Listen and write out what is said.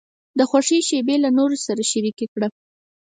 د خوښۍ شیبې له نورو سره شریکې کړه.